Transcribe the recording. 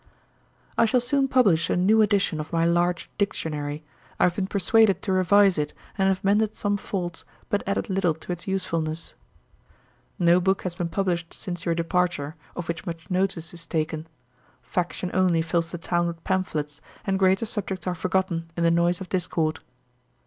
'I shall soon publish a new edition of my large Dictionary; I have been persuaded to revise it, and have mended some faults, but added little to its usefulness. 'No book has been published since your departure, of which much notice is taken. Faction only fills the town with pamphlets, and greater subjects are forgotten in the noise of discord.